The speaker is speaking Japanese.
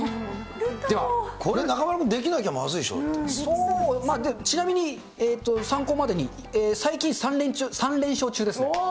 これ、中丸君できなきゃまずいでそう、ま、ちなみに参考までに、最近３連勝中ですね。